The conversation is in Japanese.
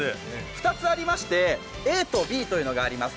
２つありましてＡとＢというのがあります。